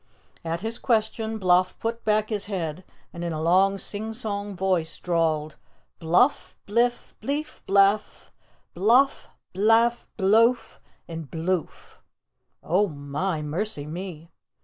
At his question Bloff put back his head and in a long singsong voice drawled, "Bluff, Bliff, Bleef, Blaff, Bloff, Blaaf, Bleof and Bluof!" "Oh, my! Mercy me!"